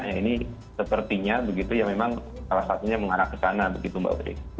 ya ini sepertinya begitu ya memang salah satunya mengarah ke sana begitu mbak putri